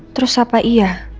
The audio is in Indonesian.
terus apa iya